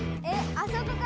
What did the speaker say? あそこから。